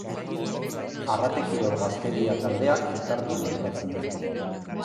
Arrate Kirol Gaztedia taldeak bertan jokatzen du.